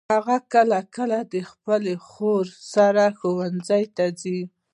هغه کله کله د خپلي خور سره ښوونځي ته ځي.